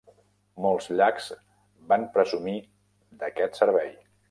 Molts llacs van presumir d"aquest servei.